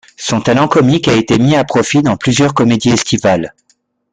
Son talent comique a été mis à profit dans plusieurs comédies estivales.